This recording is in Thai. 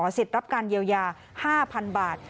สิทธิ์รับการเยียวยา๕๐๐๐บาท